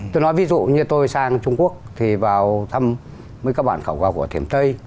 tôi nói ví dụ như tôi sang trung quốc thì vào thăm mấy các bạn khảo cổ học của thiểm tây